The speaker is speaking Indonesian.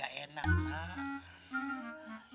makanya kagak enak mak